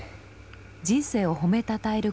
人生を褒めたたえる